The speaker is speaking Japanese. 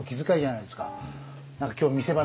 何か今日見せ場